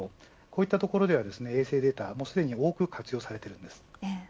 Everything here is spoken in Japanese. こういったところでは衛星データはもうすでに多く活用されています。